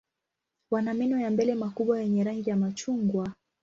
Wana meno ya mbele makubwa yenye rangi ya machungwa.